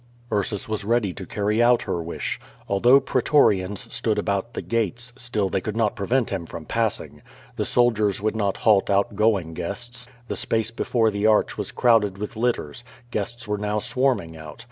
^' Ursus was ready to carry out her wish. Although pre torians stood about the gates, still they could not prevent him from passing. The soldiers would not halt outgoing guests. The space before the arch was crowded with litters. Guests were now swarming out.